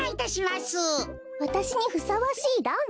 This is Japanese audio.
わたしにふさわしいラン？